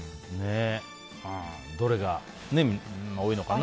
どれが多いのかな。